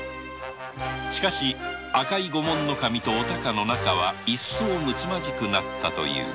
しかし赤井御門守とお孝の仲は一層むつまじくなったと言う